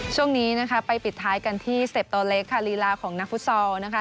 ช่วงนี้นะคะไปปิดท้ายกันที่สเต็ปโตเล็กค่ะลีลาของนักฟุตซอลนะคะ